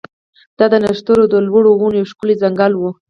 دا د نښترو د لوړو ونو یو ښکلی ځنګل و